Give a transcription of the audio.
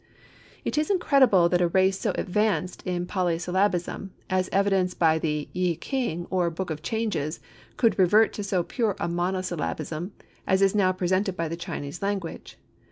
It is incredible that a race so advanced in polysyllabism as evidenced by the "Yih King," or "Book of Changes," could revert to so pure a monosyllabism as is now presented by the Chinese language.